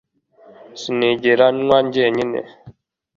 Sinigera nywa jyenyine